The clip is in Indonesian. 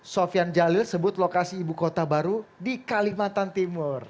sofian jalil sebut lokasi ibu kota baru di kalimantan timur